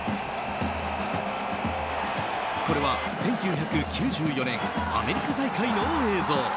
これは１９９４年アメリカ大会の映像。